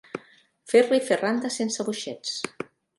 Fer-li fer randa sense boixets.